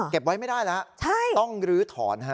เก็บไว้ไม่ได้แล้วต้องลื้อถอน